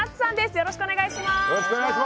よろしくお願いします！